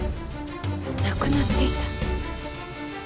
なくなっていた。